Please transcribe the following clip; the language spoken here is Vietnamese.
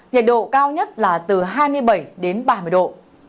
nhiệt độ cao nhất là từ hai mươi bảy đến ba mươi độ